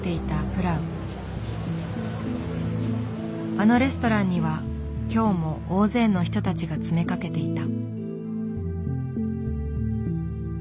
あのレストランには今日も大勢の人たちが詰めかけていた。